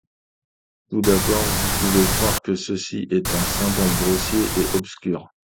Tout d’abord, vous pouvez croire que ceci est un symbole grossier et obscur.